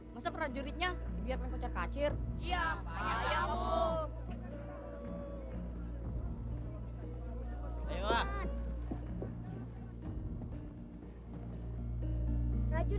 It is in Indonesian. masuk rajuritnya biar pengkocok kacir